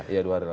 ya dua hari lalu